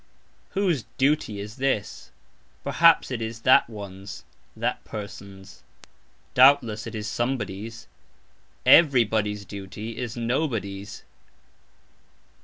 "Whose" duty is this? Perhaps it is "that one's (person's)"; doubtless it is "somebody's. Everybody's" duty is "nobody's."